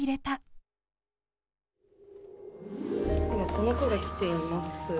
この句が来ています。